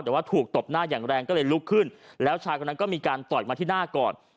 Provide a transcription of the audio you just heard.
แต่ว่าถูกตบหน้าอย่างแรงก็เลยลุกขึ้นแล้วชายคนนั้นก็มีการต่อยมาที่หน้าก่อน